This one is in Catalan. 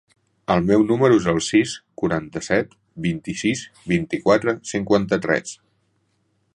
El meu número es el sis, quaranta-set, vint-i-sis, vint-i-quatre, cinquanta-tres.